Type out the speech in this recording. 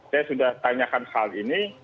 saya sudah tanyakan soal ini